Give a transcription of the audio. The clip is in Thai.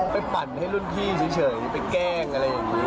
ปั่นให้รุ่นพี่เฉยไปแกล้งอะไรอย่างนี้